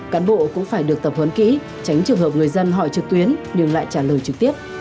cán bộ cũng phải được tập huấn kỹ tránh trường hợp người dân hỏi trực tuyến nhưng lại trả lời trực tiếp